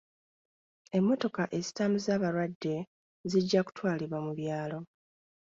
Emmotoka ezitambuza abalwadde zijja kutwalibwa mu byalo.